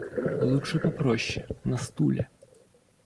Лучше попроще, на стуле.